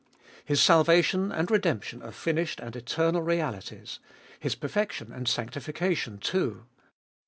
His salvation and redemption are finished and eternal realities, His perfection and sanctification too.